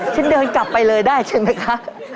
ฉันเดินกลับไปเลยได้ใช่ไหมคะ